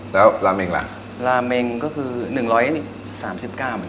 ลาเม้งก็คือ๑๓๙๐๐๐บาท